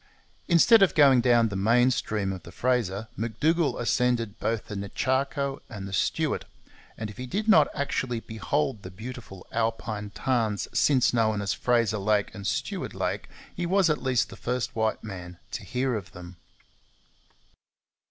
Instead of going down the main stream of the Fraser, M'Dougall ascended both the Nechaco and the Stuart; and if he did not actually behold the beautiful alpine tarns since known as Fraser Lake and Stuart Lake, he was at least the first white man to hear of them.